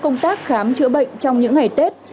công tác khám chữa bệnh trong những ngày tết